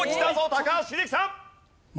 高橋英樹さん。